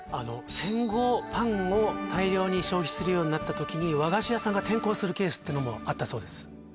戦後パンを大量に消費するようになった時に和菓子屋さんが転向するケースっていうのもあったそうです